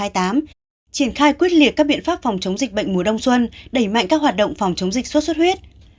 triển khai quyết liệt các biện pháp phòng chống dịch bệnh mùa đông xuân đẩy mạnh các hoạt động phòng chống dịch sốt xuất huyết